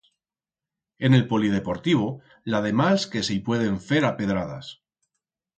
En el polideportivo, la de mals que se i pueden fer a pedradas.